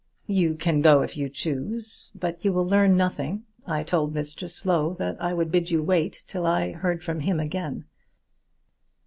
"You can go if you choose, but you will learn nothing. I told Mr Slow that I would bid you wait till I heard from him again.